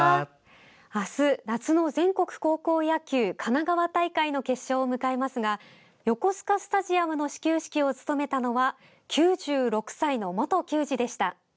あす、夏の甲子園に向けた神奈川大会の決勝を迎えますが横須賀スタジアムの始球式を務めたのは９６歳の元球児でした。